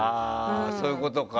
そういうことか。